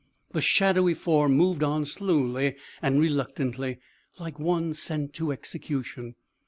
The shadowy form moved on slowly and reluctantly, like one sent to execution.